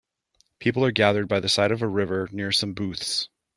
People are gathered by the side of a river near some booths.